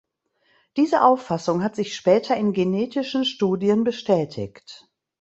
Diese Auffassung hat sich später in genetischen Studien bestätigt.